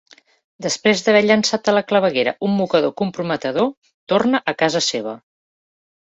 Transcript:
Després d'haver llançat a la claveguera un mocador comprometedor, torna a casa seva.